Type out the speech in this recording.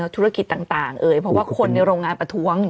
ธุรกิจต่างเอ่ยเพราะว่าคนในโรงงานประท้วง